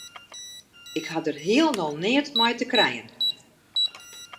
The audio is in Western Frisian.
Ik ha dêr hielendal neat mei te krijen.